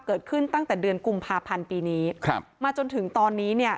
เกิดขึ้นตั้งแต่เดือนกุมภาพันธ์ปีนี้ครับมาจนถึงตอนนี้เนี่ย